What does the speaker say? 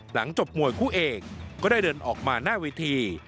หลังจบมวยคู่เอกก็ได้เดินออกมาหน้าเวที